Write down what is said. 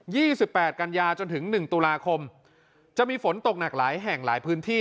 ี่สิบแปดกันยาจนถึงหนึ่งตุลาคมจะมีฝนตกหนักหลายแห่งหลายพื้นที่